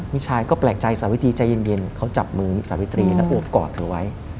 พี่ชายก็แปลกใจสาวิตรีใจเย็นเขาจับมือสาวิตรีและอวบกอดเธอไว้